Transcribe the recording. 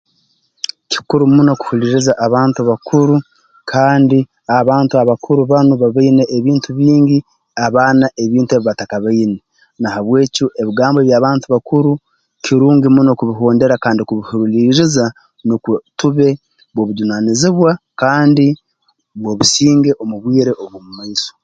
Kikuru muno kuhuliriza abantu bakuru kandi abantu abakuru banu babaine ebintu bingi abaana ebintu ebi batakabaine na habw'ekyo ebigambo eby'abantu bakuru kirungi muno kubihondera kandi kubihuliiriza nukwo tube b'obujunaanizibwa kandi b'obusinge omu bwire obw'omu maiso